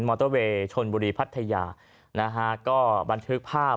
อเตอร์เวย์ชนบุรีพัทยานะฮะก็บันทึกภาพ